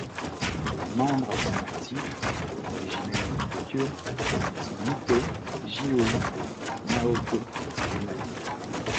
Les membres à son actif, originaires de Tokyo, sont Miko, Jyou, Naoto et Mally.